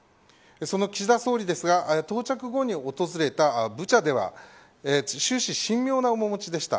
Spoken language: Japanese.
その岸田総理は到着後に訪れたブチャでは終始、神妙な面もちでした。